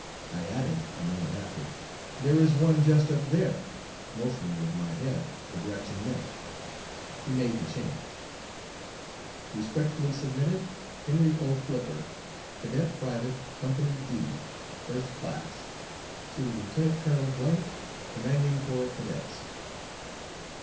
I added, a moment after, "There is one just up there," motioning with my head the direction meant. He made the change. Respectfully submitted, HENRY O. FLIPPER, Cadet Priv., Comp. "D," First Class. To Lieut. Colonel , Commanding Corps of Cadets.